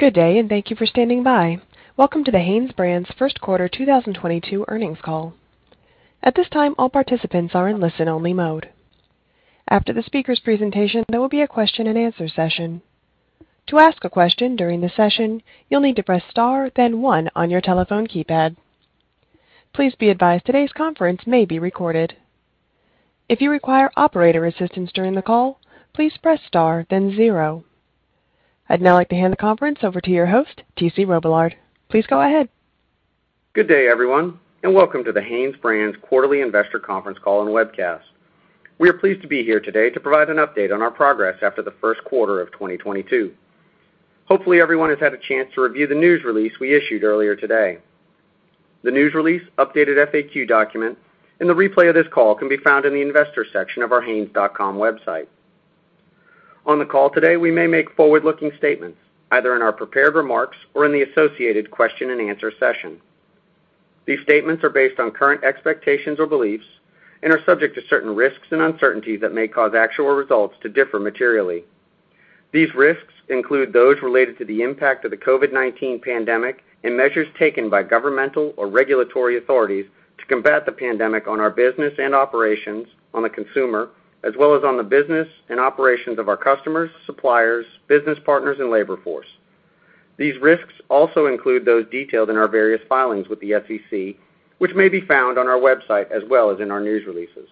Good day, and thank you for standing by. Welcome to the HanesBrands' First Quarter 2022 Earnings Call. At this time, all participants are in listen-only mode. After the speaker's presentation, there will be a question-and-answer session. To ask a question during the session, you'll need to press star then one on your telephone keypad. Please be advised today's conference may be recorded. If you require operator assistance during the call, please press star then zero. I'd now like to hand the conference over to your host, T.C. Robillard. Please go ahead. Good day, everyone, and welcome to the HanesBrands Quarterly Investor Conference Call and Webcast. We are pleased to be here today to provide an update on our progress after the first quarter of 2022. Hopefully, everyone has had a chance to review the news release we issued earlier today. The news release, updated FAQ document, and the replay of this call can be found in the investor section of our hanes.com website. On the call today, we may make forward-looking statements, either in our prepared remarks or in the associated question-and-answer session. These statements are based on current expectations or beliefs and are subject to certain risks and uncertainties that may cause actual results to differ materially. These risks include those related to the impact of the COVID-19 pandemic and measures taken by governmental or regulatory authorities to combat the pandemic on our business and operations on the consumer, as well as on the business and operations of our customers, suppliers, business partners, and labor force. These risks also include those detailed in our various filings with the SEC, which may be found on our website as well as in our news releases.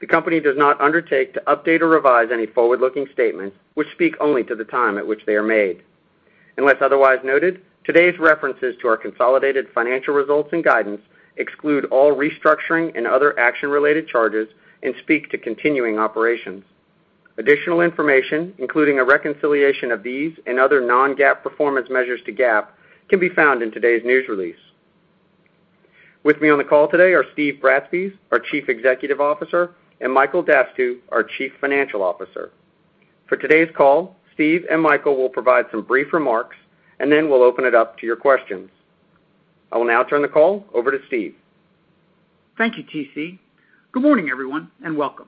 The company does not undertake to update or revise any forward-looking statements which speak only to the time at which they are made. Unless otherwise noted, today's references to our consolidated financial results and guidance exclude all restructuring and other action-related charges and speak to continuing operations. Additional information, including a reconciliation of these and other non-GAAP performance measures to GAAP, can be found in today's news release. With me on the call today are Steve Bratspies, our Chief Executive Officer, and Michael Dastugue, our Chief Financial Officer. For today's call, Steve and Michael will provide some brief remarks, and then we'll open it up to your questions. I will now turn the call over to Steve. Thank you, T.C. Good morning, everyone, and welcome.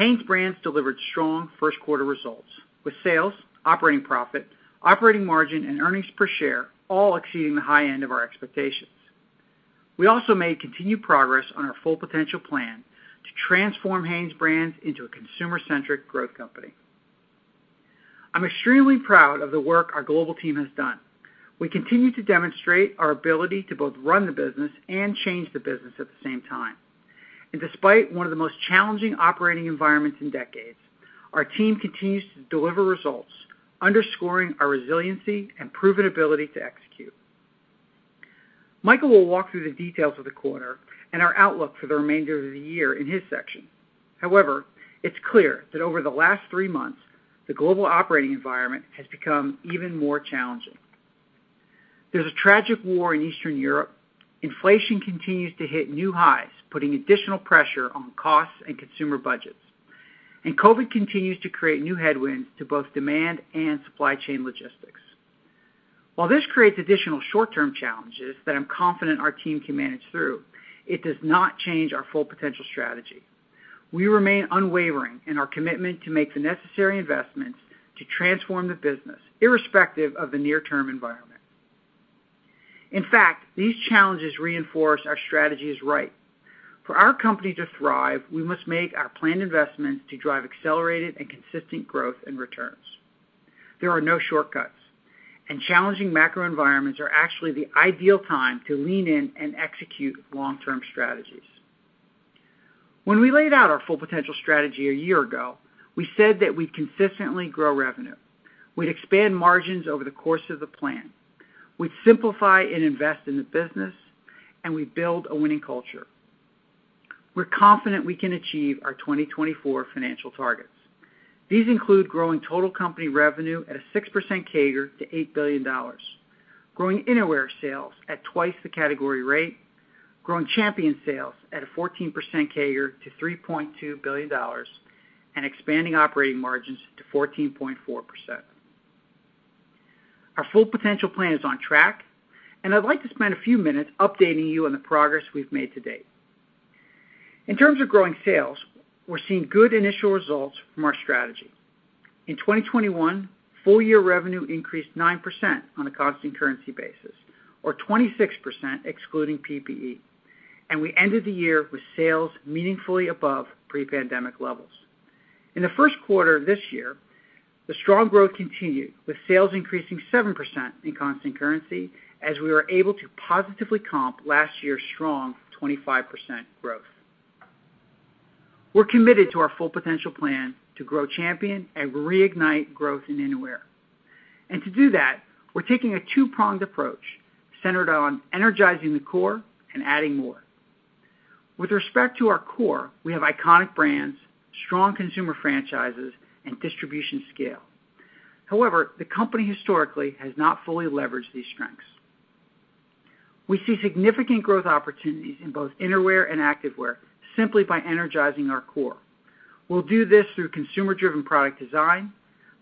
HanesBrands delivered strong first quarter results, with sales, operating profit, operating margin, and earnings per share all exceeding the high end of our expectations. We also made continued progress on our full potential plan to transform HanesBrands into a consumer-centric growth company. I'm extremely proud of the work our global team has done. We continue to demonstrate our ability to both run the business and change the business at the same time. Despite one of the most challenging operating environments in decades, our team continues to deliver results, underscoring our resiliency and proven ability to execute. Michael will walk through the details of the quarter and our outlook for the remainder of the year in his section. However, it's clear that over the last three months, the global operating environment has become even more challenging. There's a tragic war in Eastern Europe. Inflation continues to hit new highs, putting additional pressure on costs and consumer budgets. COVID continues to create new headwinds to both demand and supply chain logistics. While this creates additional short-term challenges that I'm confident our team can manage through, it does not change our full potential strategy. We remain unwavering in our commitment to make the necessary investments to transform the business, irrespective of the near-term environment. In fact, these challenges reinforce our strategy is right. For our company to thrive, we must make our planned investments to drive accelerated and consistent growth and returns. There are no shortcuts, and challenging macro environments are actually the ideal time to lean in and execute long-term strategies. When we laid out our full potential strategy a year ago, we said that we'd consistently grow revenue, we'd expand margins over the course of the plan, we'd simplify and invest in the business, and we'd build a winning culture. We're confident we can achieve our 2024 financial targets. These include growing total company revenue at a 6% CAGR to $8 billion, growing Innerwear sales at twice the category rate, growing Champion sales at a 14% CAGR to $3.2 billion, and expanding operating margins to 14.4%. Our full potential plan is on track, and I'd like to spend a few minutes updating you on the progress we've made to date. In terms of growing sales, we're seeing good initial results from our strategy. In 2021, full year revenue increased 9% on a constant currency basis or 26% excluding PPE, and we ended the year with sales meaningfully above pre-pandemic levels. In the first quarter of this year, the strong growth continued, with sales increasing 7% in constant currency as we were able to positively comp last year's strong 25% growth. We're committed to our full potential plan to grow Champion and reignite growth in Innerwear. To do that, we're taking a two-pronged approach centered on energizing the core and adding more. With respect to our core, we have iconic brands, strong consumer franchises, and distribution scale. However, the company historically has not fully leveraged these strengths. We see significant growth opportunities in both Innerwear and Activewear simply by energizing our core. We'll do this through consumer-driven product design,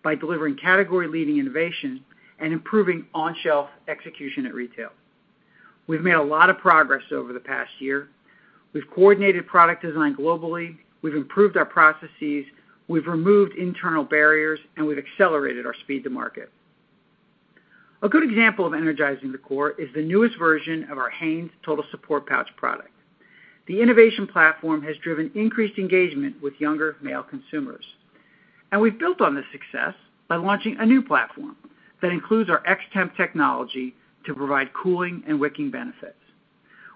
by delivering category-leading innovation, and improving on-shelf execution at retail. We've made a lot of progress over the past year. We've coordinated product design globally, we've improved our processes, we've removed internal barriers, and we've accelerated our speed to market. A good example of energizing the core is the newest version of our Hanes Total Support Pouch product. The innovation platform has driven increased engagement with younger male consumers. We've built on this success by launching a new platform that includes our X-Temp technology to provide cooling and wicking benefits.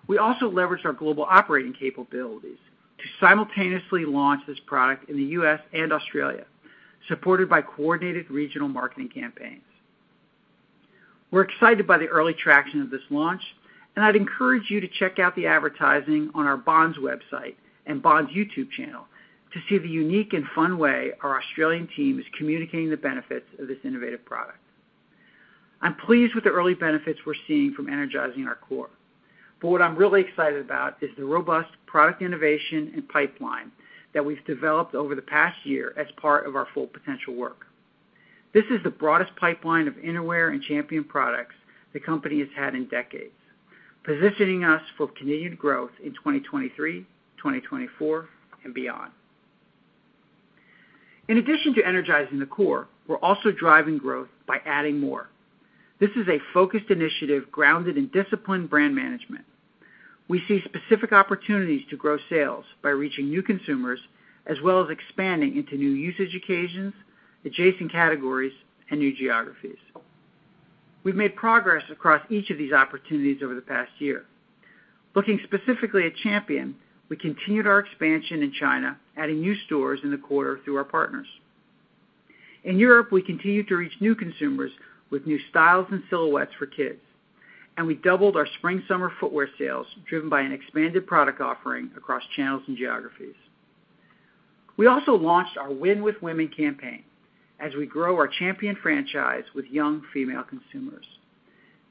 We also leveraged our global operating capabilities to simultaneously launch this product in the U.S. and Australia, supported by coordinated regional marketing campaigns. We're excited by the early traction of this launch, and I'd encourage you to check out the advertising on our Bonds website and Bonds YouTube channel to see the unique and fun way our Australian team is communicating the benefits of this innovative product. I'm pleased with the early benefits we're seeing from energizing our core, but what I'm really excited about is the robust product innovation and pipeline that we've developed over the past year as part of our full potential work. This is the broadest pipeline of Innerwear and Champion products the company has had in decades, positioning us for continued growth in 2023, 2024, and beyond. In addition to energizing the core, we're also driving growth by adding more. This is a focused initiative grounded in disciplined brand management. We see specific opportunities to grow sales by reaching new consumers, as well as expanding into new usage occasions, adjacent categories, and new geographies. We've made progress across each of these opportunities over the past year. Looking specifically at Champion, we continued our expansion in China, adding new stores in the quarter through our partners. In Europe, we continued to reach new consumers with new styles and silhouettes for kids, and we doubled our spring/summer footwear sales, driven by an expanded product offering across channels and geographies. We also launched our Win with Women campaign as we grow our Champion franchise with young female consumers.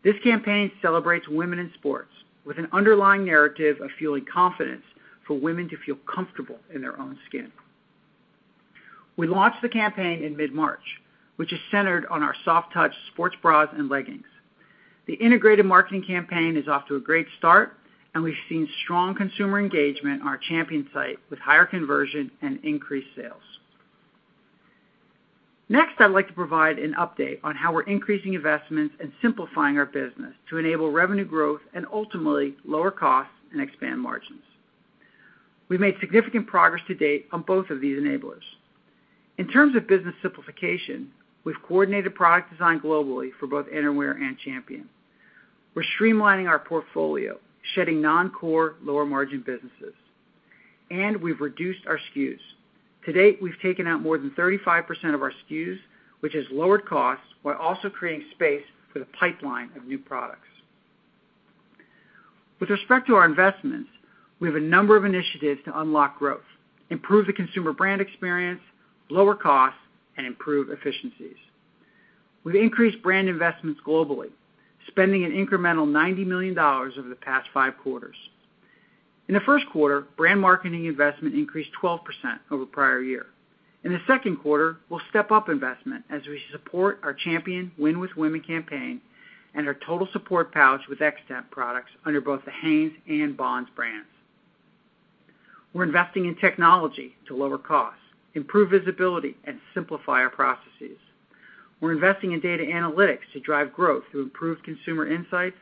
This campaign celebrates women in sports with an underlying narrative of fueling confidence for women to feel comfortable in their own skin. We launched the campaign in mid-March, which is centered on our Soft Touch sports bras and leggings. The integrated marketing campaign is off to a great start, and we've seen strong consumer engagement on our Champion site, with higher conversion and increased sales. Next, I'd like to provide an update on how we're increasing investments and simplifying our business to enable revenue growth and ultimately lower costs and expand margins. We've made significant progress to date on both of these enablers. In terms of business simplification, we've coordinated product design globally for both Innerwear and Champion. We're streamlining our portfolio, shedding non-core, lower-margin businesses, and we've reduced our SKUs. To date, we've taken out more than 35% of our SKUs, which has lowered costs while also creating space for the pipeline of new products. With respect to our investments, we have a number of initiatives to unlock growth, improve the consumer brand experience, lower costs, and improve efficiencies. We've increased brand investments globally, spending an incremental $90 million over the past five quarters. In the first quarter, brand marketing investment increased 12% over prior year. In the second quarter, we'll step up investment as we support our Champion Win with Women campaign and our Total Support Pouch with X-Temp products under both the Hanes and Bonds brands. We're investing in technology to lower costs, improve visibility, and simplify our processes. We're investing in data analytics to drive growth through improved consumer insights,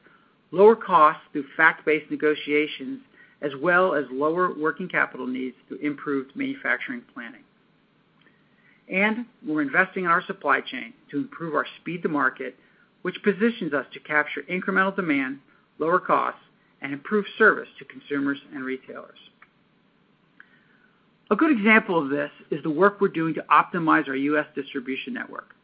lower costs through fact-based negotiations, as well as lower working capital needs through improved manufacturing planning. We're investing in our supply chain to improve our speed to market, which positions us to capture incremental demand, lower costs, and improve service to consumers and retailers. A good example of this is the work we're doing to optimize our U.S. distribution network.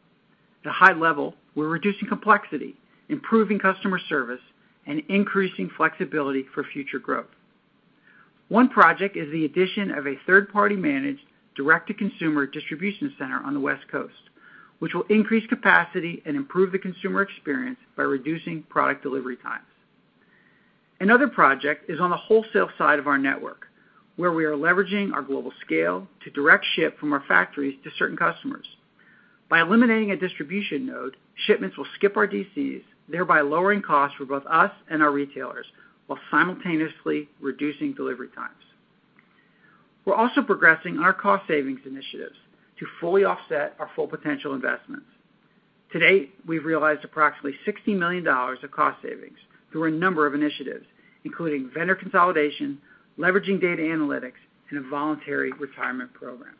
At a high level, we're reducing complexity, improving customer service, and increasing flexibility for future growth. One project is the addition of a third-party managed direct-to-consumer distribution center on the West Coast, which will increase capacity and improve the consumer experience by reducing product delivery times. Another project is on the wholesale side of our network, where we are leveraging our global scale to direct ship from our factories to certain customers. By eliminating a distribution node, shipments will skip our DCs, thereby lowering costs for both us and our retailers while simultaneously reducing delivery times. We're also progressing our cost savings initiatives to fully offset our full potential investments. To date, we've realized approximately $60 million of cost savings through a number of initiatives, including vendor consolidation, leveraging data analytics, and a voluntary retirement program.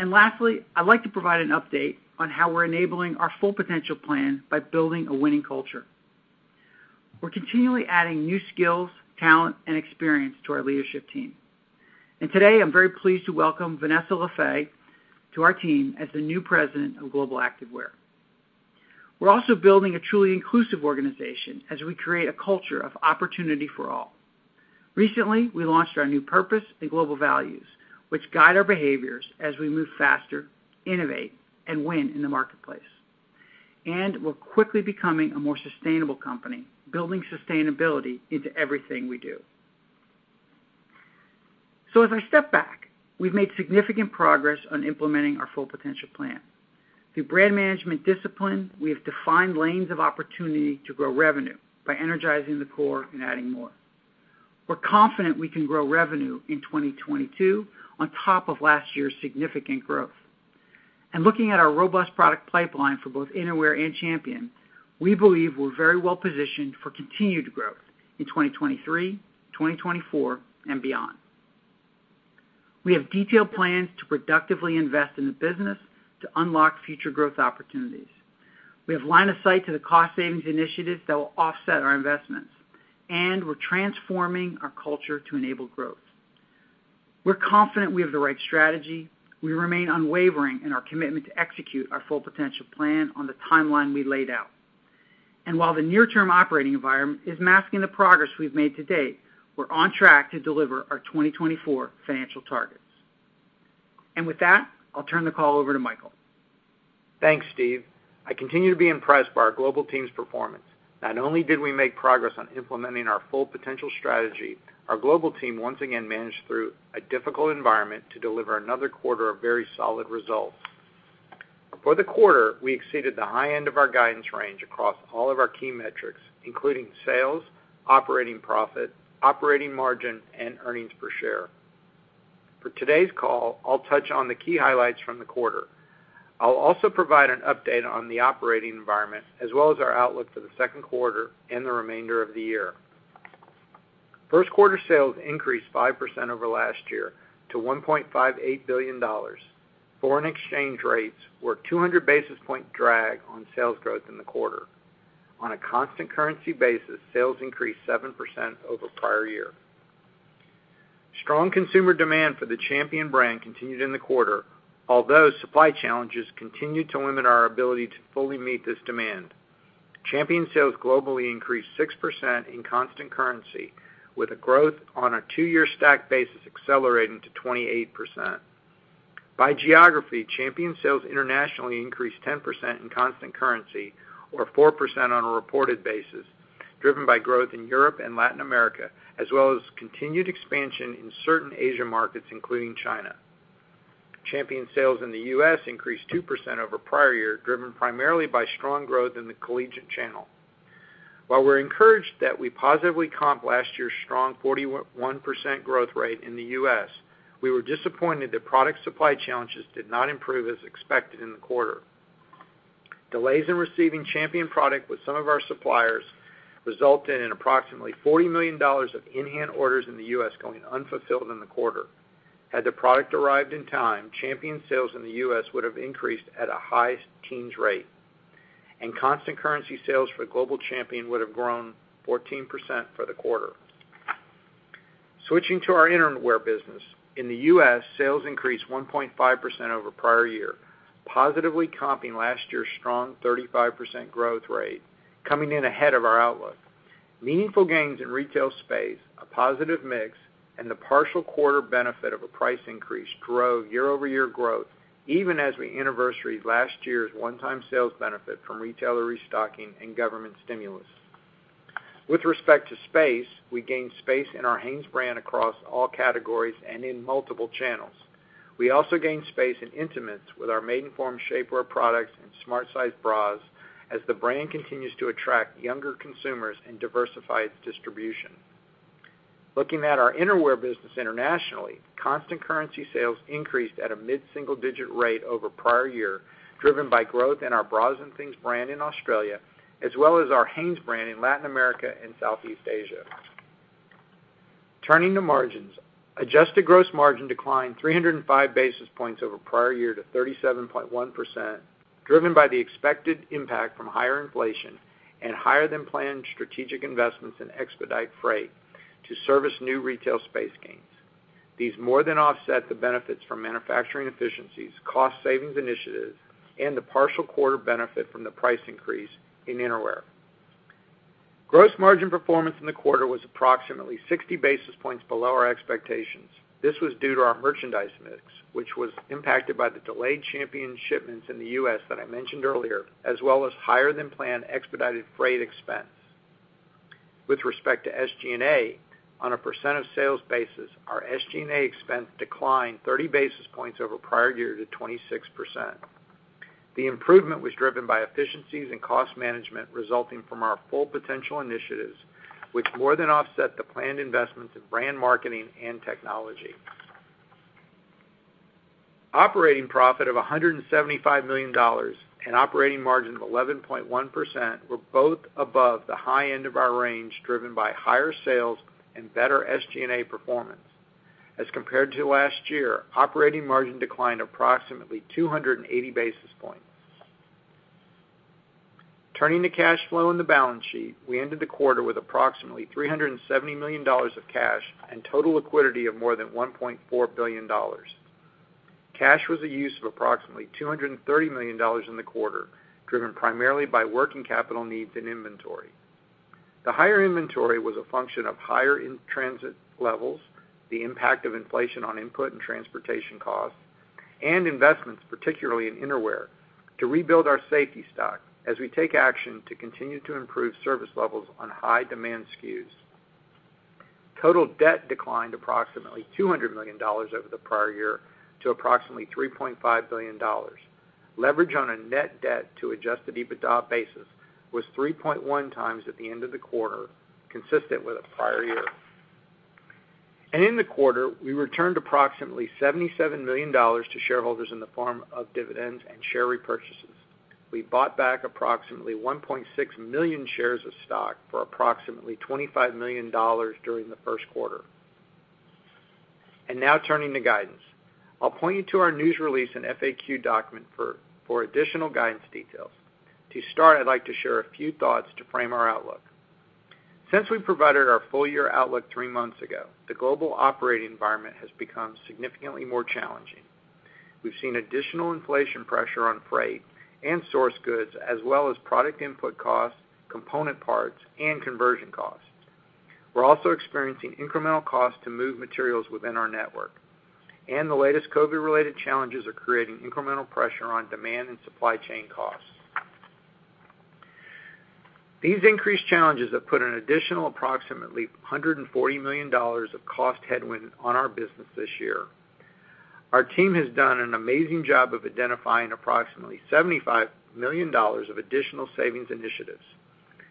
Lastly, I'd like to provide an update on how we're enabling our full potential plan by building a winning culture. We're continually adding new skills, talent, and experience to our leadership team. Today, I'm very pleased to welcome Vanessa LeFebvre to our team as the new president of Global Activewear. We're also building a truly inclusive organization as we create a culture of opportunity for all. Recently, we launched our new purpose and global values, which guide our behaviors as we move faster, innovate, and win in the marketplace. We're quickly becoming a more sustainable company, building sustainability into everything we do. As I step back, we've made significant progress on implementing our full potential plan. Through brand management discipline, we have defined lanes of opportunity to grow revenue by energizing the core and adding more. We're confident we can grow revenue in 2022 on top of last year's significant growth. Looking at our robust product pipeline for both Innerwear and Champion, we believe we're very well positioned for continued growth in 2023, 2024 and beyond. We have detailed plans to productively invest in the business to unlock future growth opportunities. We have line of sight to the cost savings initiatives that will offset our investments, and we're transforming our culture to enable growth. We're confident we have the right strategy. We remain unwavering in our commitment to execute our full potential plan on the timeline we laid out. While the near term operating environment is masking the progress we've made to date, we're on track to deliver our 2024 financial targets. With that, I'll turn the call over to Michael. Thanks, Steve. I continue to be impressed by our global team's performance. Not only did we make progress on implementing our full potential strategy, our global team once again managed through a difficult environment to deliver another quarter of very solid results. For the quarter, we exceeded the high end of our guidance range across all of our key metrics, including sales, operating profit, operating margin, and earnings per share. For today's call, I'll touch on the key highlights from the quarter. I'll also provide an update on the operating environment as well as our outlook for the second quarter and the remainder of the year. First quarter sales increased 5% over last year to $1.58 billion. Foreign exchange rates were 200 basis points drag on sales growth in the quarter. On a constant currency basis, sales increased 7% over prior year. Strong consumer demand for the Champion brand continued in the quarter, although supply challenges continued to limit our ability to fully meet this demand. Champion sales globally increased 6% in constant currency, with a growth on a two-year stack basis accelerating to 28%. By geography, Champion sales internationally increased 10% in constant currency or 4% on a reported basis, driven by growth in Europe and Latin America, as well as continued expansion in certain Asian markets, including China. Champion sales in the U.S. increased 2% over prior year, driven primarily by strong growth in the collegiate channel. While we're encouraged that we positively comp last year's strong 41% growth rate in the U.S., we were disappointed that product supply challenges did not improve as expected in the quarter. Delays in receiving Champion product with some of our suppliers resulted in approximately $40 million of in-hand orders in the U.S. going unfulfilled in the quarter. Had the product arrived in time, Champion sales in the U.S. would have increased at a high teens rate, and constant currency sales for global Champion would have grown 14% for the quarter. Switching to our Innerwear business. In the U.S., sales increased 1.5% over prior year, positively comping last year's strong 35% growth rate coming in ahead of our outlook. Meaningful gains in retail space, a positive mix, and the partial quarter benefit of a price increase drove year-over-year growth even as we anniversaried last year's one-time sales benefit from retailer restocking and government stimulus. With respect to space, we gained space in our Hanes brand across all categories and in multiple channels. We also gained space in intimates with our Maidenform shapewear products and Smart Size bras as the brand continues to attract younger consumers and diversify its distribution. Looking at our Innerwear business internationally, constant currency sales increased at a mid-single digit rate over prior year, driven by growth in our Bras N Things brand in Australia, as well as our Hanes brand in Latin America and Southeast Asia. Turning to margins, adjusted gross margin declined 305 basis points over prior year to 37.1%, driven by the expected impact from higher inflation and higher than planned strategic investments in expedite freight to service new retail space gains. These more than offset the benefits from manufacturing efficiencies, cost savings initiatives, and the partial quarter benefit from the price increase in Innerwear. Gross margin performance in the quarter was approximately 60 basis points below our expectations. This was due to our merchandise mix, which was impacted by the delayed Champion shipments in the U.S. that I mentioned earlier, as well as higher than planned expedited freight expense. With respect to SG&A, on a percent of sales basis, our SG&A expense declined 30 basis points over prior year to 26%. The improvement was driven by efficiencies and cost management resulting from our full potential initiatives, which more than offset the planned investments in brand marketing and technology. Operating profit of $175 million and operating margin of 11.1% were both above the high end of our range, driven by higher sales and better SG&A performance. As compared to last year, operating margin declined approximately 280 basis points. Turning to cash flow in the balance sheet, we ended the quarter with approximately $370 million of cash and total liquidity of more than $1.4 billion. Cash was a use of approximately $230 million in the quarter, driven primarily by working capital needs and inventory. The higher inventory was a function of higher in-transit levels, the impact of inflation on input and transportation costs. Investments, particularly in innerwear, to rebuild our safety stock as we take action to continue to improve service levels on high demand SKUs. Total debt declined approximately $200 million over the prior year to approximately $3.5 billion. Leverage on a net debt to adjusted EBITDA basis was 3.1x at the end of the quarter, consistent with the prior year. In the quarter, we returned approximately $77 million to shareholders in the form of dividends and share repurchases. We bought back approximately 1.6 million shares of stock for approximately $25 million during the first quarter. Now turning to guidance. I'll point you to our news release and FAQ document for additional guidance details. To start, I'd like to share a few thoughts to frame our outlook. Since we provided our full year outlook three months ago, the global operating environment has become significantly more challenging. We've seen additional inflation pressure on freight and source goods, as well as product input costs, component parts, and conversion costs. We're also experiencing incremental costs to move materials within our network, and the latest COVID-related challenges are creating incremental pressure on demand and supply chain costs. These increased challenges have put an additional approximately $140 million of cost headwind on our business this year. Our team has done an amazing job of identifying approximately $75 million of additional savings initiatives.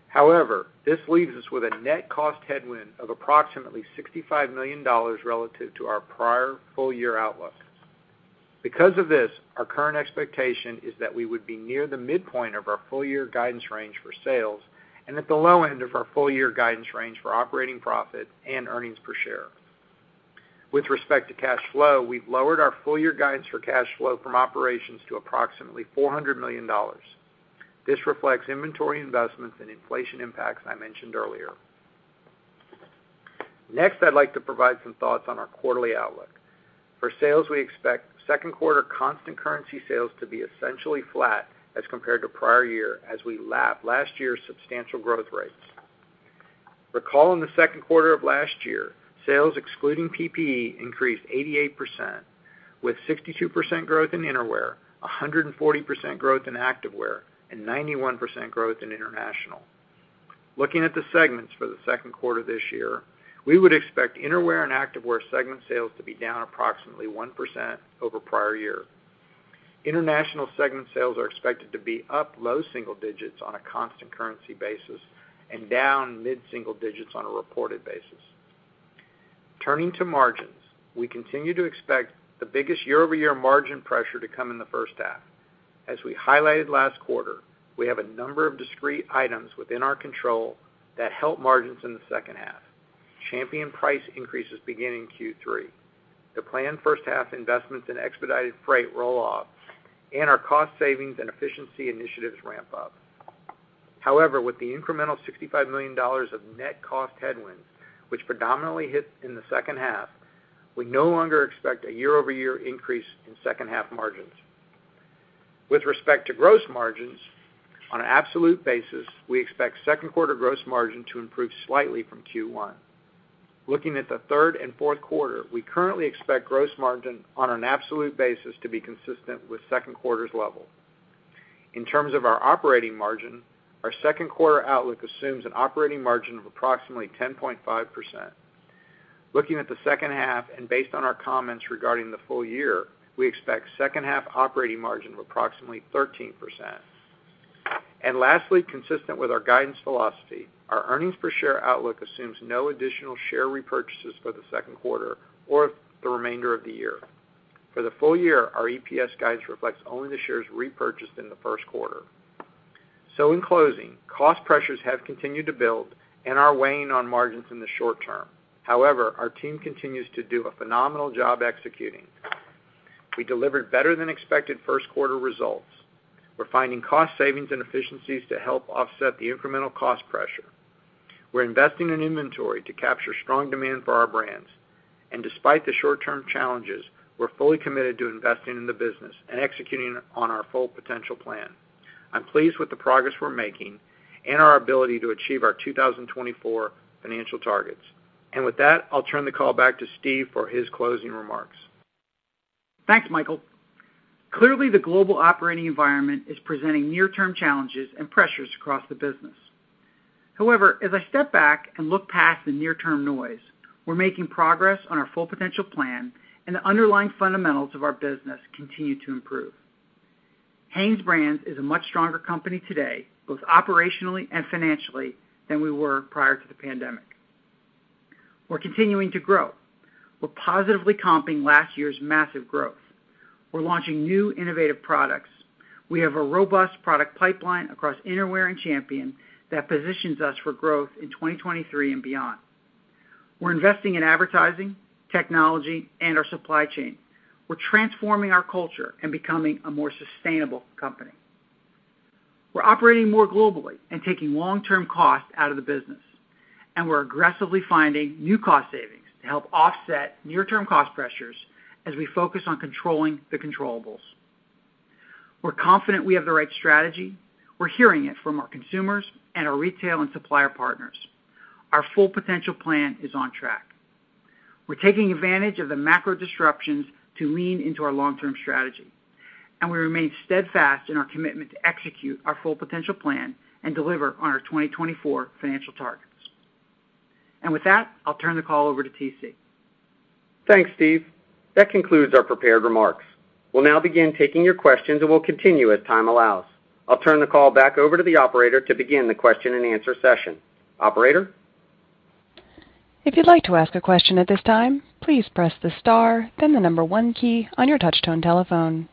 However, this leaves us with a net cost headwind of approximately $65 million relative to our prior full year outlook. Because of this, our current expectation is that we would be near the midpoint of our full year guidance range for sales and at the low end of our full year guidance range for operating profit and earnings per share. With respect to cash flow, we've lowered our full year guidance for cash flow from operations to approximately $400 million. This reflects inventory investments and inflation impacts I mentioned earlier. Next, I'd like to provide some thoughts on our quarterly outlook. For sales, we expect second quarter constant currency sales to be essentially flat as compared to prior year as we lap last year's substantial growth rates. Recall in the second quarter of last year, sales excluding PPE increased 88%, with 62% growth in innerwear, 140% growth in activewear, and 91% growth in international. Looking at the segments for the second quarter this year, we would expect innerwear and activewear segment sales to be down approximately 1% over prior year. International segment sales are expected to be up low single digits on a constant currency basis and down mid-single digits on a reported basis. Turning to margins, we continue to expect the biggest year-over-year margin pressure to come in the first half. As we highlighted last quarter, we have a number of discrete items within our control that help margins in the second half. Champion price increases begin in Q3. The planned first half investments in expedited freight roll off, and our cost savings and efficiency initiatives ramp up. However, with the incremental $65 million of net cost headwind, which predominantly hit in the second half, we no longer expect a year-over-year increase in second half margins. With respect to gross margins, on an absolute basis, we expect second quarter gross margin to improve slightly from Q1. Looking at the third and fourth quarter, we currently expect gross margin on an absolute basis to be consistent with second quarter's level. In terms of our operating margin, our second quarter outlook assumes an operating margin of approximately 10.5%. Looking at the second half and based on our comments regarding the full year, we expect second half operating margin of approximately 13%. Lastly, consistent with our guidance philosophy, our earnings per share outlook assumes no additional share repurchases for the second quarter or the remainder of the year. For the full year, our EPS guidance reflects only the shares repurchased in the first quarter. In closing, cost pressures have continued to build and are weighing on margins in the short term. However, our team continues to do a phenomenal job executing. We delivered better than expected first quarter results. We're finding cost savings and efficiencies to help offset the incremental cost pressure. We're investing in inventory to capture strong demand for our brands. Despite the short-term challenges, we're fully committed to investing in the business and executing on our full potential plan. I'm pleased with the progress we're making and our ability to achieve our 2024 financial targets. With that, I'll turn the call back to Steve for his closing remarks. Thanks, Michael. Clearly, the global operating environment is presenting near-term challenges and pressures across the business. However, as I step back and look past the near-term noise, we're making progress on our full potential plan, and the underlying fundamentals of our business continue to improve. HanesBrands is a much stronger company today, both operationally and financially, than we were prior to the pandemic. We're continuing to grow. We're positively comping last year's massive growth. We're launching new innovative products. We have a robust product pipeline across Innerwear and Champion that positions us for growth in 2023 and beyond. We're investing in advertising, technology, and our supply chain. We're transforming our culture and becoming a more sustainable company. We're operating more globally and taking long-term costs out of the business, and we're aggressively finding new cost savings to help offset near-term cost pressures as we focus on controlling the controllables. We're confident we have the right strategy. We're hearing it from our consumers and our retail and supplier partners. Our full potential plan is on track. We're taking advantage of the macro disruptions to lean into our long-term strategy, and we remain steadfast in our commitment to execute our full potential plan and deliver on our 2024 financial targets. With that, I'll turn the call over to T.C. Thanks, Steve. That concludes our prepared remarks. We'll now begin taking your questions, and we'll continue as time allows. I'll turn the call back over to the operator to begin the question-and-answer session. Operator? If you'd like to ask a question at this time, please press the star then the number one key on your touchtone telephone.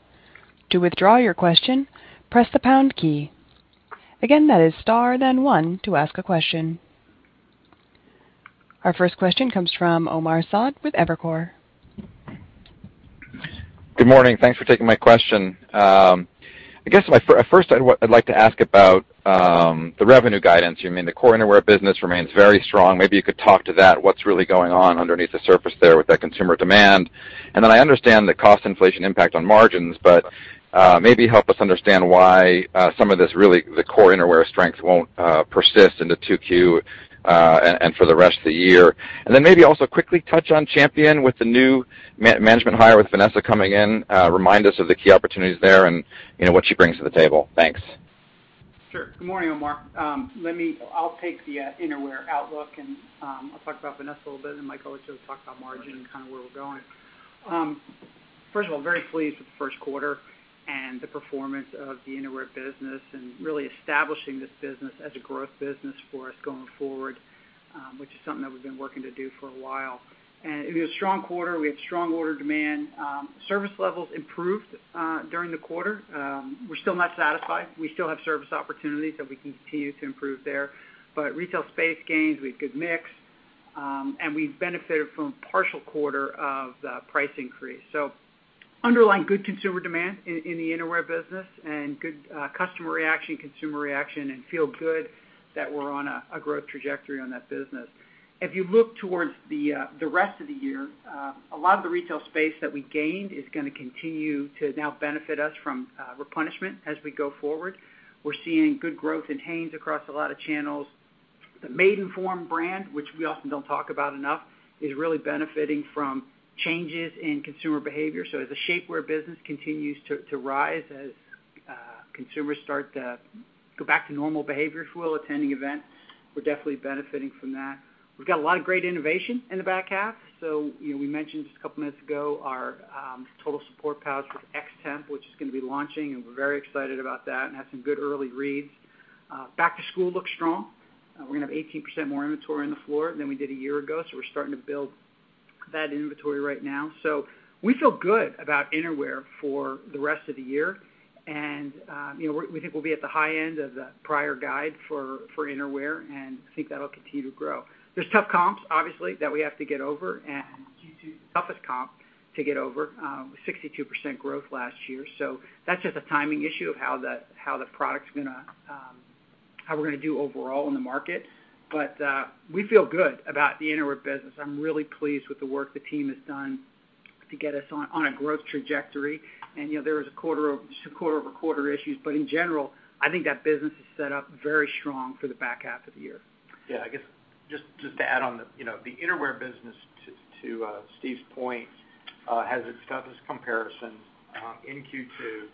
To withdraw your question, press the pound key. Again, that is star then one to ask a question. Our first question comes from Omar Saad with Evercore ISI. Good morning. Thanks for taking my question. I guess first I'd like to ask about the revenue guidance. I mean, the core Innerwear business remains very strong. Maybe you could talk to that, what's really going on underneath the surface there with that consumer demand? I understand the cost inflation impact on margins, but maybe help us understand why some of this really, the core Innerwear strength won't persist into 2Q and for the rest of the year. Maybe also quickly touch on Champion with the new management hire with Vanessa coming in. Remind us of the key opportunities there and, you know, what she brings to the table. Thanks. Sure. Good morning, Omar. I'll take the innerwear outlook, and I'll talk about Vanessa a little bit, and my colleague Joe will talk about margin and kind of where we're going. First of all, very pleased with the first quarter and the performance of the Innerwear business and really establishing this business as a growth business for us going forward, which is something that we've been working to do for a while. It was a strong quarter. We have strong order demand. Service levels improved during the quarter. We're still not satisfied. We still have service opportunities that we continue to improve there. But retail space gains, we have good mix, and we benefited from partial quarter of the price increase. Underlying good consumer demand in the innerwear business and good customer reaction, consumer reaction, and feel good that we're on a growth trajectory on that business. If you look towards the rest of the year, a lot of the retail space that we gained is gonna continue to now benefit us from replenishment as we go forward. We're seeing good growth in Hanes across a lot of channels. The Maidenform brand, which we often don't talk about enough, is really benefiting from changes in consumer behavior. As the shapewear business continues to rise as consumers start to go back to normal behaviors, if you will, attending events, we're definitely benefiting from that. We've got a lot of great innovation in the back half. You know, we mentioned just a couple of minutes ago our Total Support Pouch with X-Temp, which is gonna be launching, and we're very excited about that and have some good early reads. Back to school looks strong. We're gonna have 18% more inventory on the floor than we did a year ago, so we're starting to build that inventory right now. We feel good about innerwear for the rest of the year. You know, we think we'll be at the high end of the prior guide for innerwear, and I think that'll continue to grow. There's tough comps obviously that we have to get over, and Q2 is the toughest comp to get over with 62% growth last year. That's just a timing issue of how we're gonna do overall in the market. We feel good about the Innerwear business. I'm really pleased with the work the team has done to get us on a growth trajectory. You know, there was some quarter-over-quarter issues. In general, I think that business is set up very strong for the back half of the year. Yeah. I guess just to add on the, you know, the Innerwear business to Steve's point has its toughest comparisons in Q2.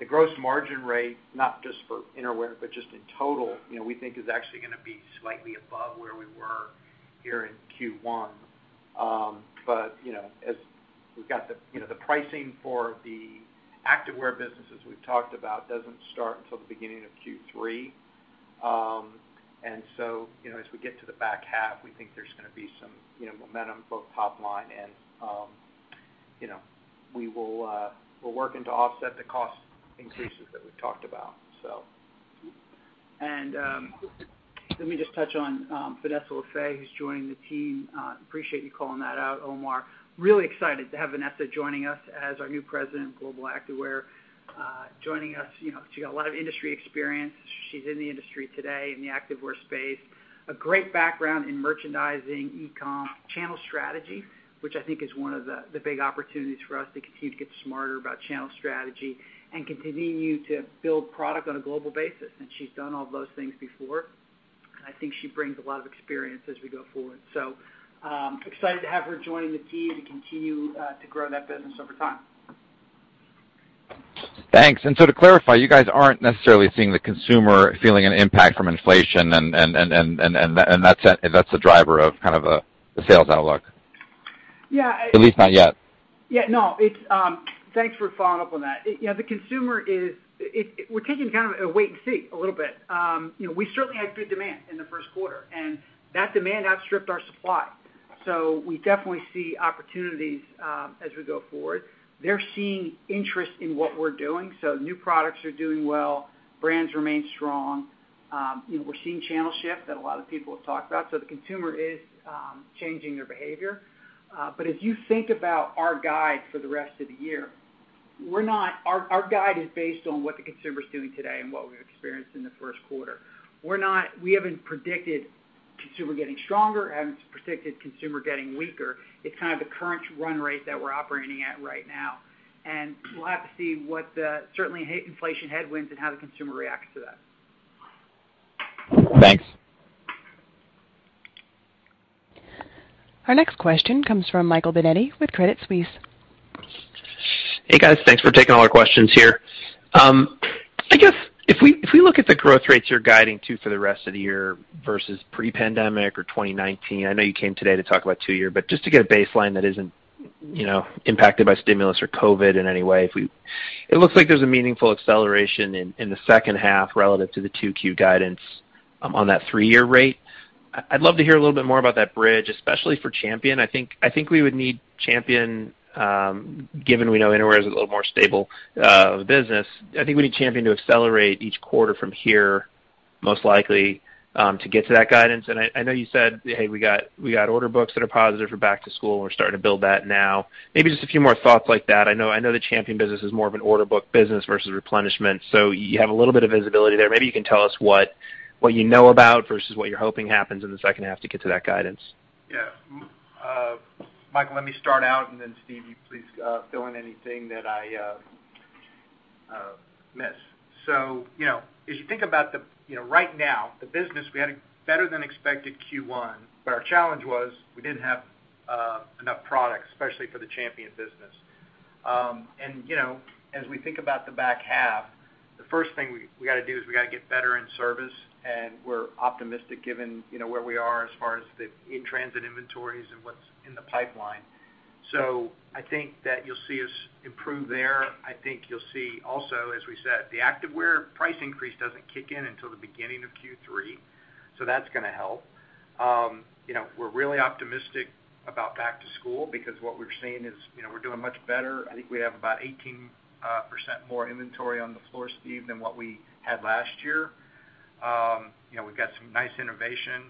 The gross margin rate, not just for Innerwear but just in total, you know, we think is actually gonna be slightly above where we were here in Q1. You know, as we've got the, you know, the pricing for the Activewear business, as we've talked about, doesn't start until the beginning of Q3. You know, as we get to the back half, we think there's gonna be some, you know, momentum both top line and, you know. We're working to offset the cost increases that we've talked about. Let me just touch on Vanessa LeFebvre, who's joining the team. Appreciate you calling that out, Omar. Really excited to have Vanessa joining us as our new president of Global Activewear. Joining us, you know, she's got a lot of industry experience. She's in the industry today in the activewear space. A great background in merchandising, e-com, channel strategy, which I think is one of the big opportunities for us to continue to get smarter about channel strategy and continue to build product on a global basis. She's done all those things before. I think she brings a lot of experience as we go forward. Excited to have her joining the team to continue to grow that business over time. Thanks. To clarify, you guys aren't necessarily seeing the consumer feeling an impact from inflation and that's the driver of kind of the sales outlook. Yeah. At least not yet. Yeah, no. Thanks for following up on that. You know, we're taking kind of a wait and see a little bit. You know, we certainly had good demand in the first quarter, and that demand outstripped our supply. We definitely see opportunities as we go forward. They're seeing interest in what we're doing, so new products are doing well. Brands remain strong. You know, we're seeing channel shift that a lot of people have talked about, so the consumer is changing their behavior. As you think about our guide for the rest of the year, our guide is based on what the consumer is doing today and what we've experienced in the first quarter. We haven't predicted consumer getting stronger and predicted consumer getting weaker. It's kind of the current run rate that we're operating at right now, and we'll have to see what, certainly inflation headwinds and how the consumer reacts to that. Thanks. Our next question comes from Michael Binetti with Credit Suisse. Hey, guys. Thanks for taking all our questions here. I guess if we look at the growth rates you're guiding to for the rest of the year versus pre-pandemic or 2019, I know you came today to talk about two-year, but just to get a baseline that isn't, you know, impacted by stimulus or COVID in any way. It looks like there's a meaningful acceleration in the second half relative to the 2Q guidance on that three-year rate. I'd love to hear a little bit more about that bridge, especially for Champion. I think we would need Champion, given we know Innerwear is a little more stable business. I think we need Champion to accelerate each quarter from here, most likely, to get to that guidance. I know you said, hey, we got order books that are positive for back to school. We're starting to build that now. Maybe just a few more thoughts like that. I know the Champion business is more of an order book business versus replenishment, so you have a little bit of visibility there. Maybe you can tell us what you know about versus what you're hoping happens in the second half to get to that guidance. Yeah. Michael, let me start out, and then Steve, you please fill in anything that I miss. You know, as you think about the, you know, right now, the business, we had a better than expected Q1, but our challenge was we didn't have enough product, especially for the Champion business. You know, as we think about the back half, the first thing we gotta do is get better in service, and we're optimistic given, you know, where we are as far as the in-transit inventories and what's in the pipeline. I think that you'll see us improve there. I think you'll see also, as we said, the Activewear price increase doesn't kick in until the beginning of Q3, so that's gonna help. You know, we're really optimistic about back to school because what we're seeing is, you know, we're doing much better. I think we have about 18% more inventory on the floor, Steve, than what we had last year. You know, we've got some nice innovation.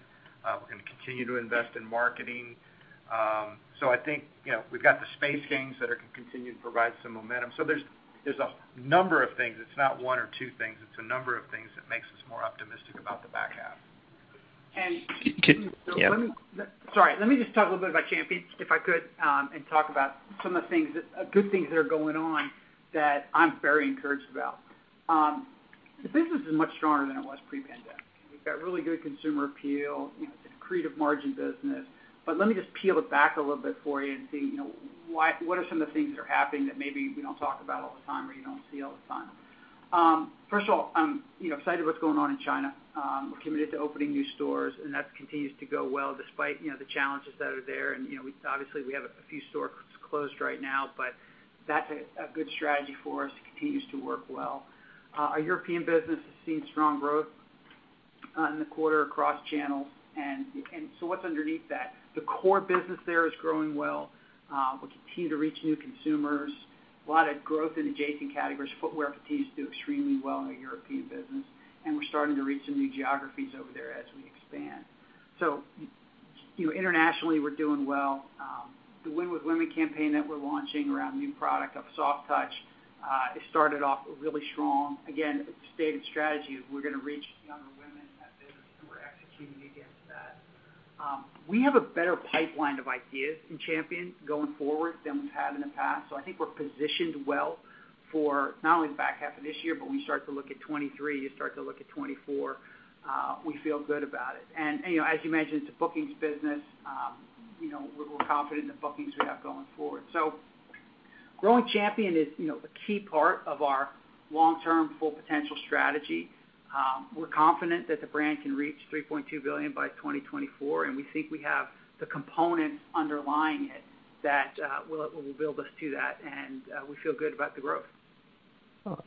We're gonna continue to invest in marketing. I think, you know, we've got the space gains that are gonna continue to provide some momentum. There's a number of things. It's not one or two things. It's a number of things that makes us more optimistic about the back half. Can- Sorry, let me just talk a little bit about Champion, if I could, and talk about some of the good things that are going on that I'm very encouraged about. The business is much stronger than it was pre-pandemic. We've got really good consumer appeal, you know, great margin business. Let me just peel it back a little bit for you and see, you know, what are some of the things that are happening that maybe we don't talk about all the time or you don't see all the time. First of all, I'm, you know, excited what's going on in China. We're committed to opening new stores, and that continues to go well despite, you know, the challenges that are there. You know, we obviously have a few stores closed right now, but that's a good strategy for us. It continues to work well. Our European business has seen strong growth in the quarter across channels. What's underneath that? The core business there is growing well. We continue to reach new consumers. A lot of growth in adjacent categories. Footwear continues to do extremely well in the European business, and we're starting to reach some new geographies over there as we expand. You know, internationally, we're doing well. The Win with Women campaign that we're launching around new product of Soft Touch, it started off really strong. Again, stated strategy, we're gonna reach younger women in that business, and we're executing against that. We have a better pipeline of ideas in Champion going forward than we've had in the past. I think we're positioned well for not only the back half of this year, but we start to look at 2023, you start to look at 2024, we feel good about it. You know, as you mentioned, it's a bookings business. You know, we're confident in the bookings we have going forward. Growing Champion is, you know, a key part of our long-term full potential strategy. We're confident that the brand can reach $3.2 billion by 2024, and we think we have the components underlying it that will build us to that, and we feel good about the growth.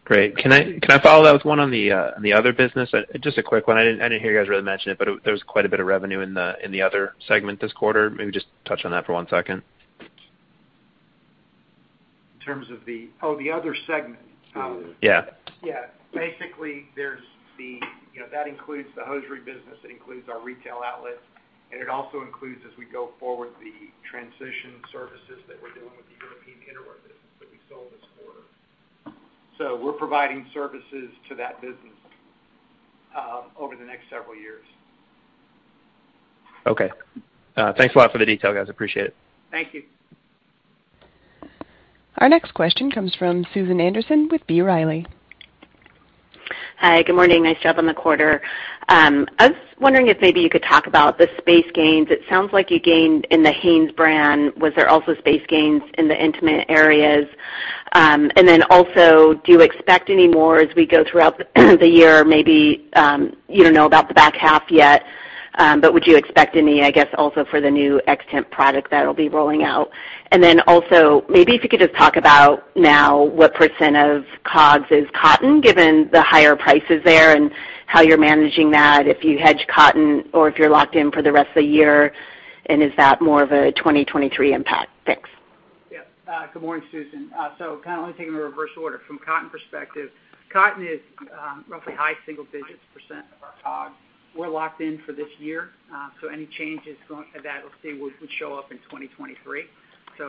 Great. Can I follow that with one on the other business? Just a quick one. I didn't hear you guys really mention it, but there was quite a bit of revenue in the other segment this quarter. Maybe just touch on that for one second. In terms of the other segment. Yeah. Yeah. Basically, there's the. You know, that includes the hosiery business, it includes our retail outlets, and it also includes, as we go forward, the transition services that we're doing with the European Innerwear business that we sold this quarter. We're providing services to that business over the next several years. Okay. Thanks a lot for the detail, guys. Appreciate it. Thank you. Our next question comes from Susan Anderson with B. Riley Securities. Hi. Good morning. Nice job on the quarter. I was wondering if maybe you could talk about the space gains. It sounds like you gained in the Hanes brand. Was there also space gains in the intimate areas? Do you expect any more as we go throughout the year? Maybe you don't know about the back half yet, but would you expect any, I guess, also for the new X-Temp product that'll be rolling out? Maybe if you could just talk about now what % of COGS is cotton, given the higher prices there, and how you're managing that, if you hedge cotton or if you're locked in for the rest of the year, and is that more of a 2023 impact? Thanks. Yeah. Good morning, Susan. Kind of taking a reverse order. From cotton perspective, cotton is roughly high single digits% of our COGS. We're locked in for this year. Any changes to that, we'll see would show up in 2023.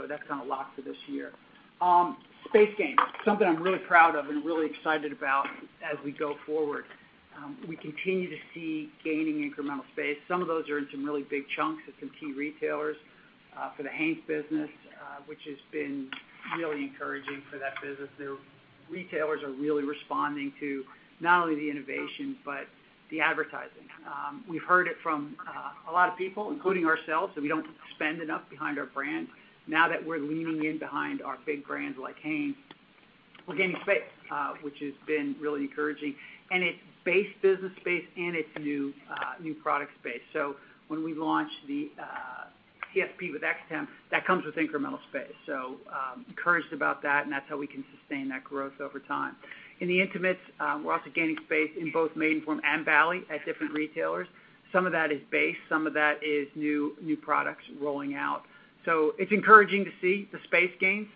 That's kinda locked for this year. Space gain, something I'm really proud of and really excited about as we go forward. We continue to see gaining incremental space. Some of those are in some really big chunks at some key retailers. For the Hanes business, which has been really encouraging for that business. The retailers are really responding to not only the innovation but the advertising. We've heard it from a lot of people, including ourselves, that we don't spend enough behind our brand. Now that we're leaning in behind our big brands like Hanes, we're gaining space, which has been really encouraging. It's base business space and it's new product space. When we launch the TSP with X-Temp, that comes with incremental space. Encouraged about that, and that's how we can sustain that growth over time. In the intimates, we're also gaining space in both Maidenform and Bali at different retailers. Some of that is base, some of that is new products rolling out. It's encouraging to see the space gains.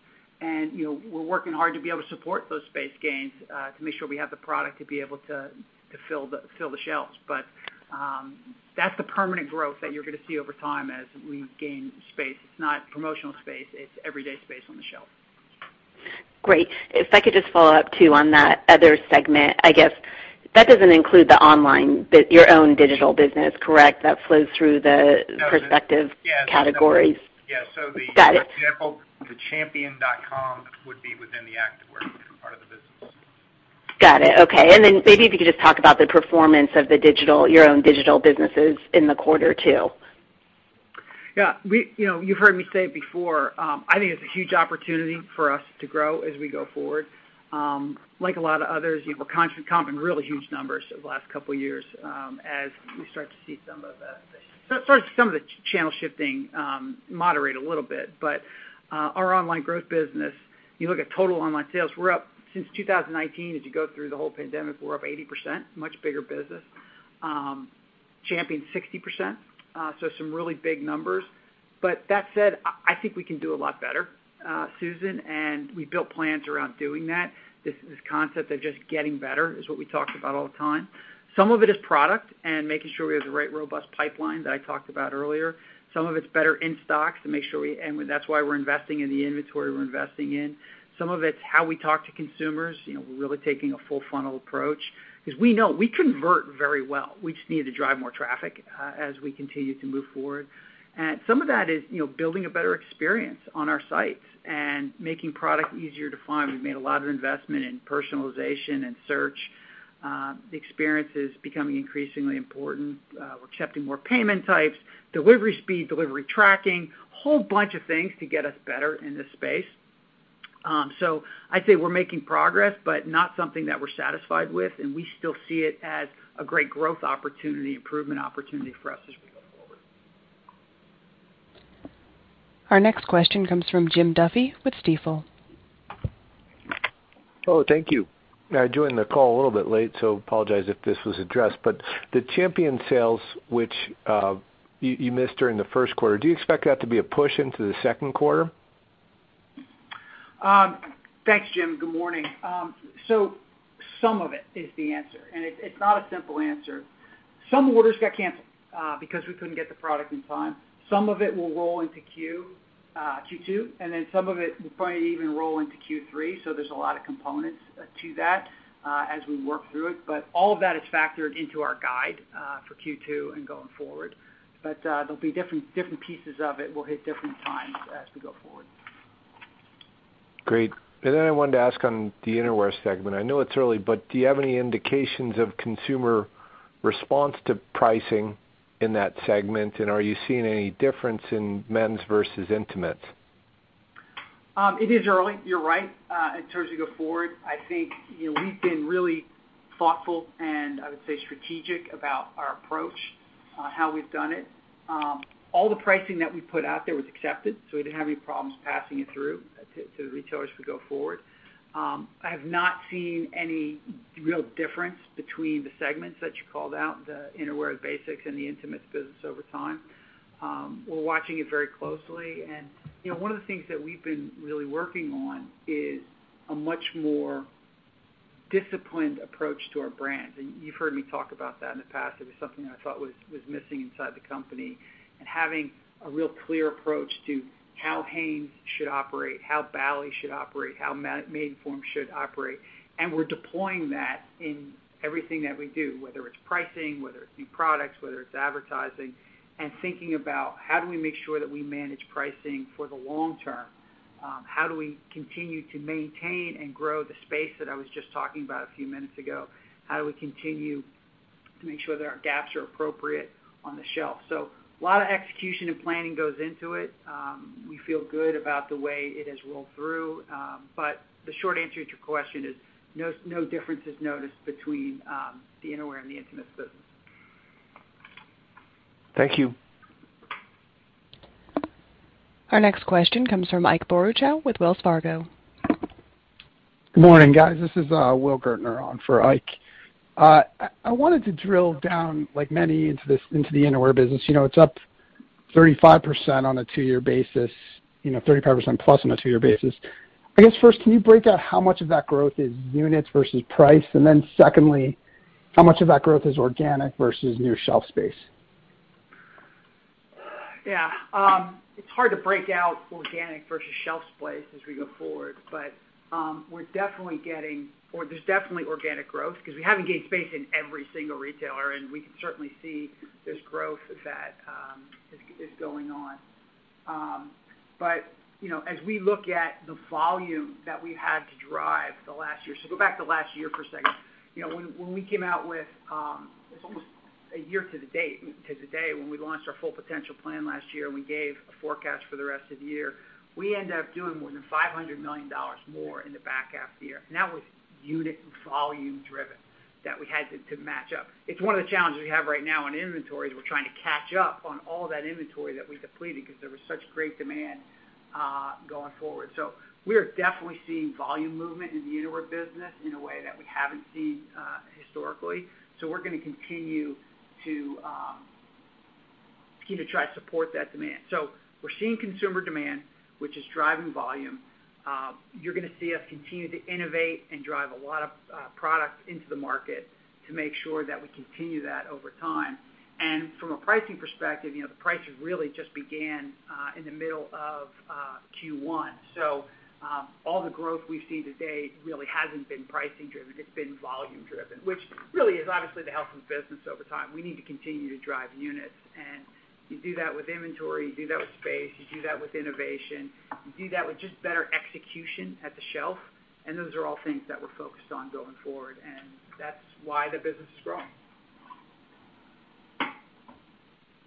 You know, we're working hard to be able to support those space gains, to make sure we have the product to fill the shelves. That's the permanent growth that you're gonna see over time as we gain space. It's not promotional space, it's everyday space on the shelf. Great. If I could just follow up too on that other segment. I guess that doesn't include the online, your own digital business, correct? That flows through the respective. No. -categories. Yeah, Got it. For example, the Champion.com would be within the Activewear part of the business. Got it. Okay. Maybe if you could just talk about the performance of the digital, your own digital businesses in the quarter too. Yeah, you know, you've heard me say it before. I think it's a huge opportunity for us to grow as we go forward. Like a lot of others, you know, we're comping really huge numbers over the last couple years, as we start to see some of the channel shifting moderate a little bit. Our online growth business, you look at total online sales, we're up, since 2019, as you go through the whole pandemic, we're up 80%. Much bigger business. Champion, 60%. So some really big numbers. That said, I think we can do a lot better, Susan, and we built plans around doing that. This concept of just getting better is what we talked about all the time. Some of it is product and making sure we have the right robust pipeline that I talked about earlier. Some of it's better instocks to make sure we and that's why we're investing in the inventory we're investing in. Some of it's how we talk to consumers. You know, we're really taking a full funnel approach. 'Cause we know we convert very well. We just need to drive more traffic as we continue to move forward. Some of that is, you know, building a better experience on our sites and making product easier to find. We've made a lot of investment in personalization and search. The experience is becoming increasingly important. We're accepting more payment types, delivery speed, delivery tracking, whole bunch of things to get us better in this space. I'd say we're making progress, but not something that we're satisfied with, and we still see it as a great growth opportunity, improvement opportunity for us as we go forward. Our next question comes from Jim Duffy with Stifel. Oh, thank you. I joined the call a little bit late, so I apologize if this was addressed. The Champion sales, which you missed during the first quarter, do you expect that to be a push into the second quarter? Thanks, Jim. Good morning. Some of it is the answer, and it's not a simple answer. Some orders got canceled because we couldn't get the product in time. Some of it will roll into Q2, and then some of it will probably even roll into Q3. There's a lot of components to that, as we work through it, but all of that is factored into our guide for Q2 and going forward. There'll be different pieces of it will hit different times as we go forward. Great. I wanted to ask on the Innerwear segment. I know it's early, but do you have any indications of consumer response to pricing in that segment? Are you seeing any difference in men's versus intimates? It is early, you're right. In terms of go forward, I think, you know, we've been really thoughtful and I would say strategic about our approach, how we've done it. All the pricing that we put out there was accepted, so we didn't have any problems passing it through to the retailers as we go forward. I have not seen any real difference between the segments that you called out, the Innerwear basics and the intimates business over time. We're watching it very closely. You know, one of the things that we've been really working on is a much more disciplined approach to our brands. You've heard me talk about that in the past. It was something that I thought was missing inside the company, and having a real clear approach to how Hanes should operate, how Bali should operate, how Maidenform should operate. We're deploying that in everything that we do, whether it's pricing, whether it's new products, whether it's advertising, and thinking about how do we make sure that we manage pricing for the long term? How do we continue to maintain and grow the space that I was just talking about a few minutes ago? How do we continue to make sure that our gaps are appropriate on the shelf? A lot of execution and planning goes into it. We feel good about the way it has rolled through. The short answer to your question is no differences noticed between the Innerwear and the intimates business. Thank you. Our next question comes from Ike Boruchow with Wells Fargo. Good morning, guys. This is Will Gaertner on for Ike. I wanted to drill down, like many, into the Innerwear business. You know, it's up 35% on a two-year basis, you know, 35% plus on a two-year basis. I guess, first, can you break out how much of that growth is units versus price? And then secondly, how much of that growth is organic versus new shelf space? Yeah. It's hard to break out organic versus shelf space as we go forward. We're definitely getting or there's definitely organic growth because we haven't gained space in every single retailer, and we can certainly see there's growth that is going on. You know, as we look at the volume that we had to drive the last year. Go back to last year for a second. You know, when we came out with, it's almost a year to the date, to the day when we launched our full potential plan last year, and we gave a forecast for the rest of the year, we ended up doing more than $500 million more in the back half of the year. That was unit volume driven that we had to match up. It's one of the challenges we have right now in inventories. We're trying to catch up on all that inventory that we depleted because there was such great demand going forward. We are definitely seeing volume movement in the underwear business in a way that we haven't seen historically. We're gonna continue to try to support that demand. We're seeing consumer demand, which is driving volume. You're gonna see us continue to innovate and drive a lot of product into the market to make sure that we continue that over time. From a pricing perspective, you know, the pricing really just began in the middle of Q1. All the growth we've seen to date really hasn't been pricing driven. It's been volume driven, which really is obviously the health of the business over time. We need to continue to drive units, and you do that with inventory, you do that with space, you do that with innovation, you do that with just better execution at the shelf, and those are all things that we're focused on going forward, and that's why the business is growing.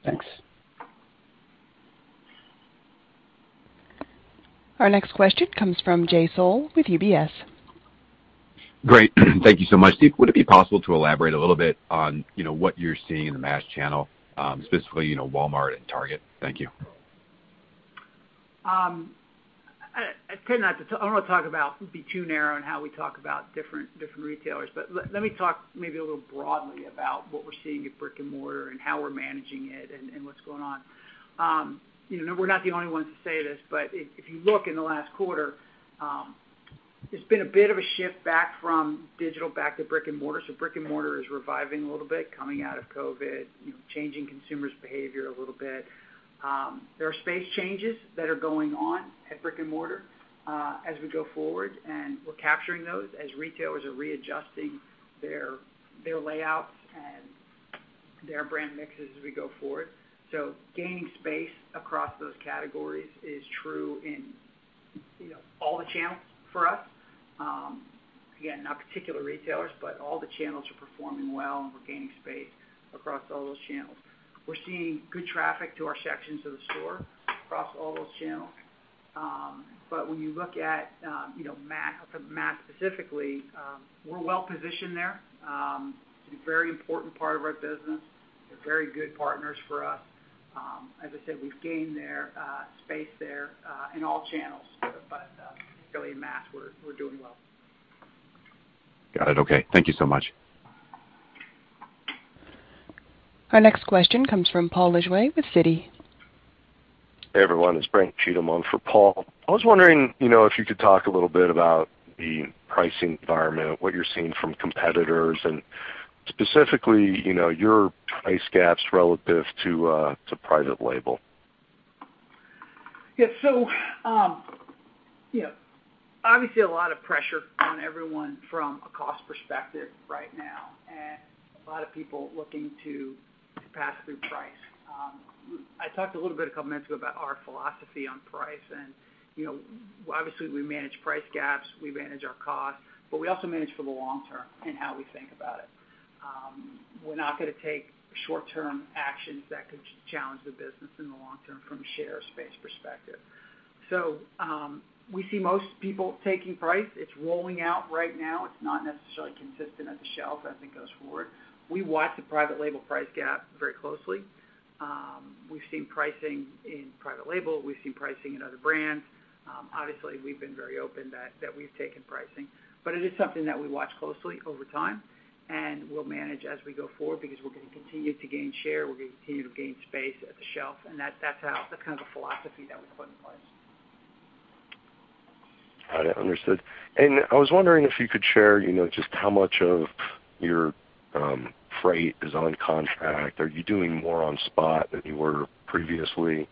Thanks. Our next question comes from Jay Sole with UBS. Great. Thank you so much. Steve, would it be possible to elaborate a little bit on, you know, what you're seeing in the mass channel, specifically, you know, Walmart and Target? Thank you. I don't wanna talk about it would be too narrow in how we talk about different retailers. Let me talk maybe a little broadly about what we're seeing at brick-and-mortar and how we're managing it and what's going on. You know, we're not the only ones to say this, but if you look in the last quarter, it's been a bit of a shift back from digital back to brick-and-mortar. Brick-and-mortar is reviving a little bit, coming out of COVID, you know, changing consumers' behavior a little bit. There are space changes that are going on at brick-and-mortar, as we go forward, and we're capturing those as retailers are readjusting their layouts and their brand mixes as we go forward. Gaining space across those categories is true in, you know, all the channels for us. Again, not particular retailers, but all the channels are performing well, and we're gaining space across all those channels. We're seeing good traffic to our sections of the store across all those channels. But when you look at, you know, mass specifically, we're well positioned there. It's a very important part of our business. They're very good partners for us. As I said, we've gained their space there in all channels, but particularly in mass, we're doing well. Got it. Okay. Thank you so much. Our next question comes from Paul Lejuez with Citi. Hey, everyone. It's Brandon Cheatham on for Paul. I was wondering, you know, if you could talk a little bit about the pricing environment, what you're seeing from competitors, and specifically, you know, your price gaps relative to to private label. Yeah. You know, obviously a lot of pressure on everyone from a cost perspective right now and a lot of people looking to pass through price. I talked a little bit a couple minutes ago about our philosophy on price and, you know, obviously, we manage price gaps, we manage our costs, but we also manage for the long term in how we think about it. We're not gonna take short-term actions that could challenge the business in the long term from a share space perspective. We see most people taking price. It's rolling out right now. It's not necessarily consistent at the shelf as it goes forward. We watch the private label price gap very closely. We've seen pricing in private label. We've seen pricing in other brands. Obviously, we've been very open that we've taken pricing. It is something that we watch closely over time, and we'll manage as we go forward because we're gonna continue to gain share, we're gonna continue to gain space at the shelf, and that's kind of the philosophy that we put in place. Got it. Understood. I was wondering if you could share, you know, just how much of your freight is on contract. Are you doing more on spot than you were previously?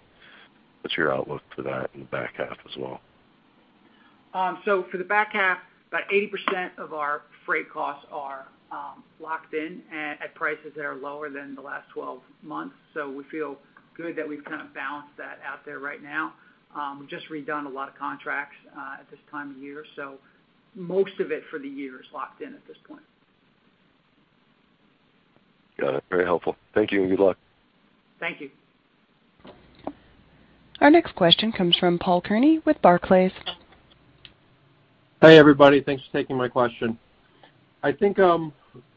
What's your outlook for that in the back half as well? For the back half, about 80% of our freight costs are locked in at prices that are lower than the last 12 months. We feel good that we've kind of balanced that out there right now. We've just redone a lot of contracts at this time of year. Most of it for the year is locked in at this point. Got it. Very helpful. Thank you and good luck. Thank you. Our next question comes from Paul Tierney with Barclays. Hi, everybody. Thanks for taking my question.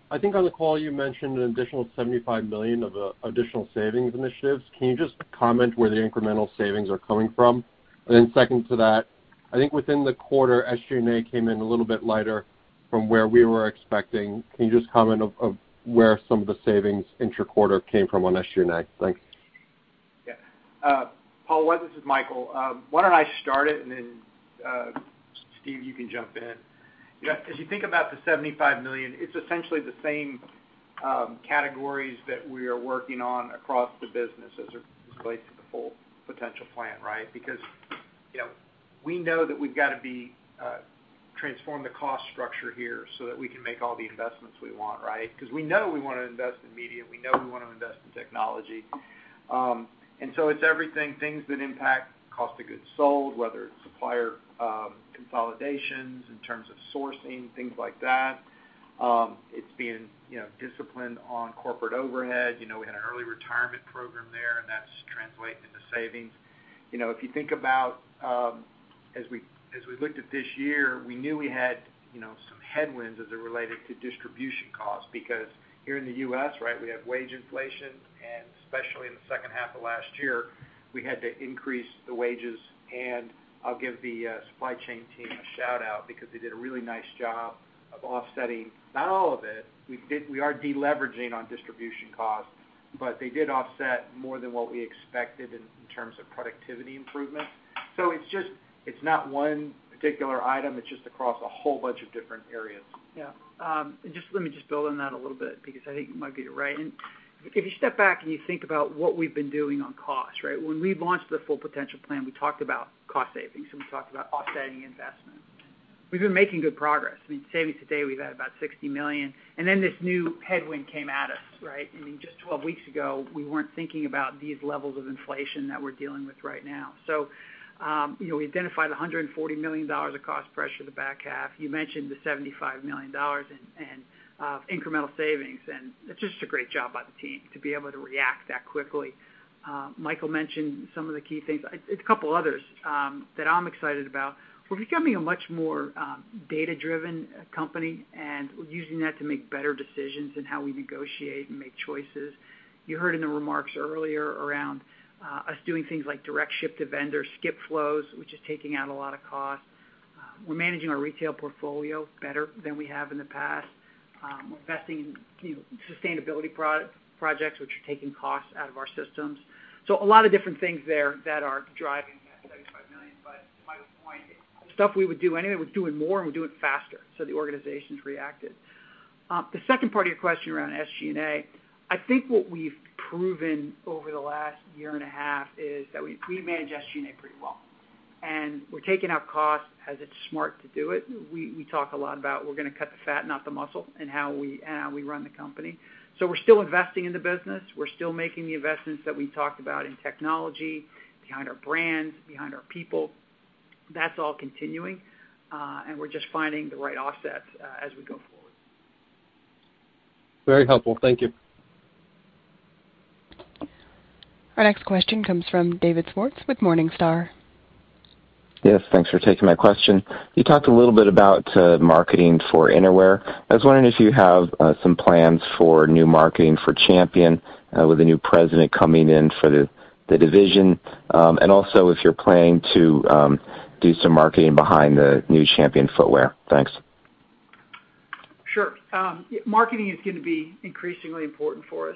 I think on the call you mentioned an additional $75 million of additional savings initiatives. Can you just comment on where the incremental savings are coming from? Second to that, I think within the quarter, SG&A came in a little bit lighter from where we were expecting. Can you just comment on where some of the savings intra-quarter came from on SG&A? Thanks. Yeah. Paul, this is Michael. Why don't I start it and then, Steve, you can jump in. As you think about the $75 million, it's essentially the same categories that we are working on across the business as it relates to the full potential plan, right? Because. You know, we know that we've gotta transform the cost structure here so that we can make all the investments we want, right? 'Cause we know we wanna invest in media. We know we wanna invest in technology. It's everything. Things that impact cost of goods sold, whether it's supplier consolidations in terms of sourcing, things like that. It's being disciplined on corporate overhead. You know, we had an early retirement program there, and that's translating into savings. You know, if you think about as we looked at this year, we knew we had some headwinds as it related to distribution costs because here in the U.S., right, we have wage inflation, and especially in the second half of last year, we had to increase the wages. I'll give the supply chain team a shout-out because they did a really nice job of offsetting, not all of it. We are de-leveraging on distribution costs, but they did offset more than what we expected in terms of productivity improvements. It's just, it's not one particular item. It's just across a whole bunch of different areas. Yeah. Let me just build on that a little bit because I think you might be right. If you step back and you think about what we've been doing on costs, right? When we launched the full potential plan, we talked about cost savings, and we talked about offsetting investments. We've been making good progress. I mean, savings to date, we've had about $60 million, and then this new headwind came at us, right? I mean, just 12 weeks ago, we weren't thinking about these levels of inflation that we're dealing with right now. You know, we identified $140 million of cost pressure in the back half. You mentioned the $75 million in incremental savings, and it's just a great job by the team to be able to react that quickly. Michael mentioned some of the key things. A couple others that I'm excited about. We're becoming a much more data-driven company, and we're using that to make better decisions in how we negotiate and make choices. You heard in the remarks earlier around us doing things like direct ship to vendors, skip flows, which is taking out a lot of costs. We're managing our retail portfolio better than we have in the past. We're investing in, you know, sustainability projects which are taking costs out of our systems. A lot of different things there that are driving that $75 million. To Michael's point, stuff we would do anyway, we're doing more, and we're doing faster. The organization's reacted. The second part of your question around SG&A, I think what we've proven over the last year and a half is that we manage SG&A pretty well, and we're taking out costs as it's smart to do it. We talk a lot about we're gonna cut the fat, not the muscle, in how we run the company. We're still investing in the business. We're still making the investments that we talked about in technology, behind our brands, behind our people. That's all continuing, and we're just finding the right offsets as we go forward. Very helpful. Thank you. Our next question comes from David Swartz with Morningstar. Yes, thanks for taking my question. You talked a little bit about marketing for Innerwear. I was wondering if you have some plans for new marketing for Champion with the new president coming in for the division, and also if you're planning to do some marketing behind the new Champion footwear. Thanks. Sure. Marketing is gonna be increasingly important for us.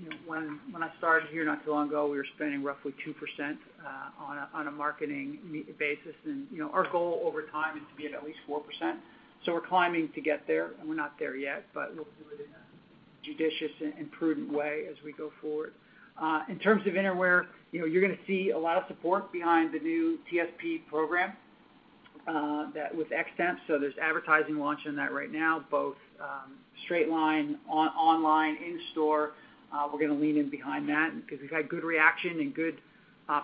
You know, when I started here not too long ago, we were spending roughly 2% on a marketing basis. You know, our goal over time is to be at least 4%. We're climbing to get there, and we're not there yet, but we'll do it in a judicious and prudent way as we go forward. In terms of Innerwear, you know, you're gonna see a lot of support behind the new TSP program that with X-Temp. There's advertising launch on that right now, both straight line, online, in-store. We're gonna lean in behind that because we've had good reaction and good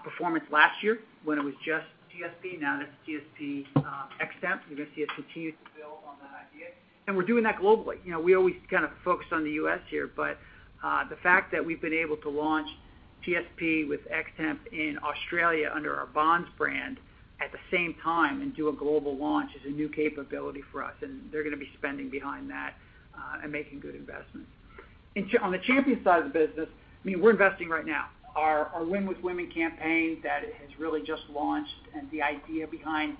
performance last year when it was just TSP. Now that's TSP with X-Temp. You're gonna see us continue to build on that idea, and we're doing that globally. You know, we always kind of focus on the U.S. here, but the fact that we've been able to launch TSP with X-Temp in Australia under our Bonds brand at the same time and do a global launch is a new capability for us, and they're gonna be spending behind that and making good investments. On the Champion side of the business, I mean, we're investing right now. Our Win with Women campaign that has really just launched, and the idea behind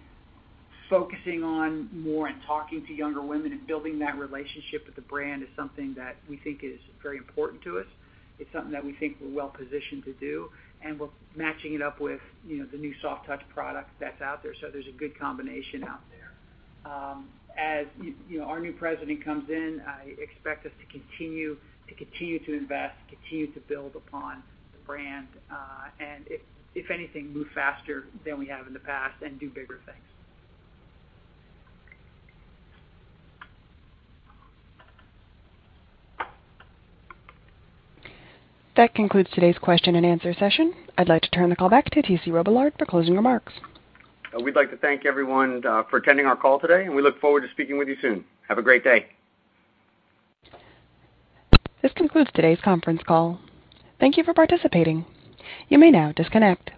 focusing on more and talking to younger women and building that relationship with the brand is something that we think is very important to us. It's something that we think we're well positioned to do, and we're matching it up with, you know, the new Soft Touch product that's out there. There's a good combination out there. As you know, our new president comes in, I expect us to continue to invest, continue to build upon the brand, and if anything, move faster than we have in the past and do bigger things. That concludes today's question and answer session. I'd like to turn the call back to T.C. Robillard for closing remarks. We'd like to thank everyone for attending our call today, and we look forward to speaking with you soon. Have a great day. This concludes today's conference call. Thank you for participating. You may now disconnect.